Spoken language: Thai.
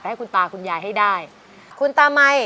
ให้คุณตาคุณยายให้ได้